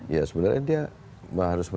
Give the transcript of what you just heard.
ya sebenarnya dia harus